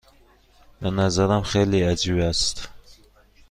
به نظرم خیلی عجیب است.